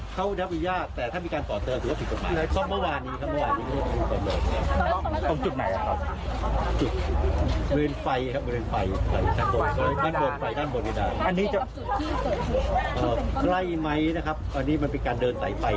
ใกล้ไหมนะครับอันนี้มันเป็นการเดินใส่ไฟ